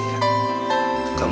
bagaimana keadaan kamu sekarang